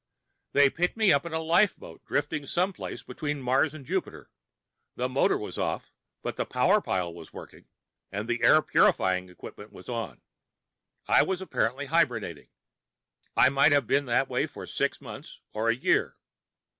"They picked me up in a lifeboat, drifting some place between Mars and Jupiter. The motor was off, but the power pile was working, and the air purifying equipment was on. I was apparently hibernating. I might have been that way for six months or a year."